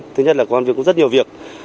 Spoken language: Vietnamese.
thứ nhất là công an viên có rất nhiều việc